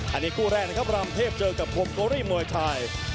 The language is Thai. อันนี้คู่แรกนะครับรามเทพเจอกับฮงโกรีมวยไทย